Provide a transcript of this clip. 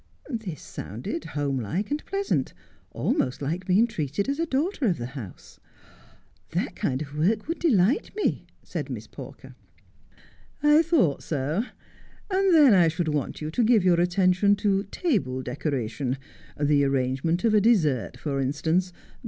This sounded home like and pleasant, almost like being treated as a daughter of the house. ' That kind of work would delight me,' said Miss Pawker. ' I thought so. And then I should want you to give your attention to table decoration — the arrangement of a dessert, for instance.